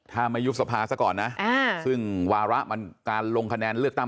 ถ้าไม่ยุบสภาซะก่อนนะซึ่งวาระมันการลงคะแนนเลือกตั้ง